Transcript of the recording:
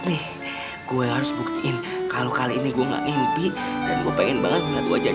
deh gue harus buktiin kalau kali ini gua nggak mimpi dan gu eineh banget ngeliat wajah